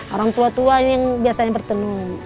orang tua tua ini biasanya pertenu